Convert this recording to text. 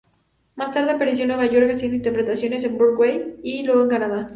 Más tarde apareció en Nueva York haciendo interpretaciones en Broadway y luego en Canadá.